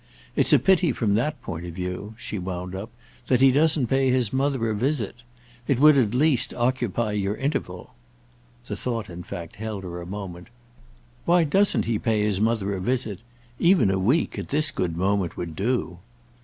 It's a pity, from that point of view," she wound up, "that he doesn't pay his mother a visit. It would at least occupy your interval." The thought in fact held her a moment. "Why doesn't he pay his mother a visit? Even a week, at this good moment, would do."